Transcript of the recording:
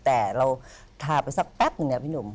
แต่เราทาไปสักแป๊บหนึ่งนะพี่หนุ่ม